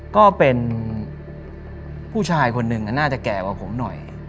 ก็เป็นผู้ชายคนหนึ่งน่าจะแก่กว่าผมหน่อย